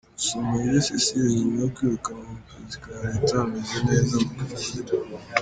Musomayire Cecile nyuma yo kwirukanwa mu kazi ka Leta ameze neza mu kwikorera.